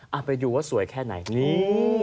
เอาไปดูว่าสวยแค่ไหนนี่